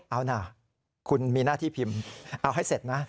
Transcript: เอานะคุณมีหน้าที่พิมพ์เอาให้เสร็จนะ